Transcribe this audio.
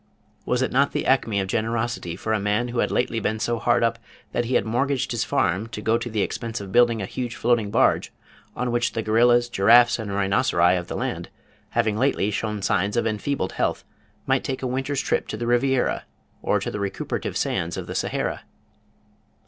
Was it not the acme of generosity for a man who had lately been so hard up that he had mortgaged his farm to go to the expense of building a huge floating barge on which the gorillas, giraffes, and rhinoceri of the land, having lately shown signs of enfeebled health, might take a winter's trip to the Riviera, or to the recuperative sands of the Sahara?